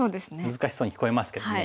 難しそうに聞こえますけどね。